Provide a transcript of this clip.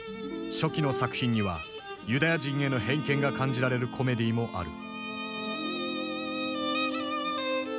初期の作品にはユダヤ人への偏見が感じられるコメディーもある。